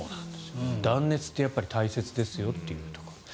断熱って大切ですよというところ。